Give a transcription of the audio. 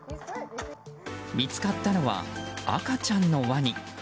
見つかったのは赤ちゃんのワニ。